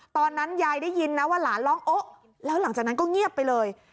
ตอนนั้นยายได้ยินนะว่าหลานร้องโอ๊ะแล้วหลังจากนั้นก็เงียบไปเลย